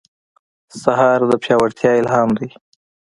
سهار د پیاوړتیا الهام دی.